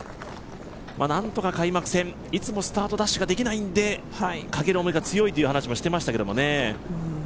なんとか開幕戦、いつもスタートダッシュができないんで、かける思いが強いという話をしていましたけどね。